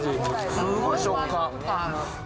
すごい食感。